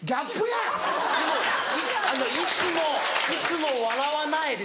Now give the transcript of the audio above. いつもいつも笑わないですけれど。